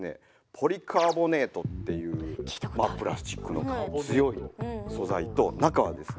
ポリカーボネートっていうまあプラスチックの強い素材と中はですね